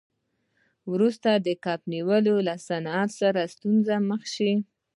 وروسته د کب نیولو صنعت له ستونزو سره مخ شو.